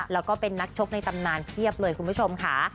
แล้วก็เป็นนักชกในตำนานเพียบเลยคุณผู้ชมค่ะ